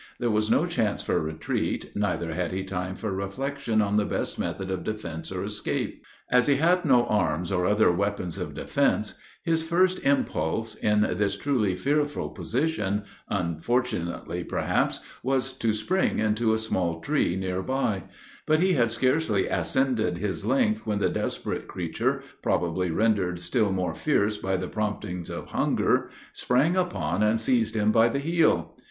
There was no chance for retreat, neither had he time for reflection on the best method of defence or escape. As he had no arms or other weapons of defence, his first impulse, in this truly fearful position, unfortunately, perhaps, was to spring into a small tree near by; but he had scarcely ascended his length when the desperate creature, probably rendered still more fierce by the promptings of hunger, sprang upon and seized him by the heel.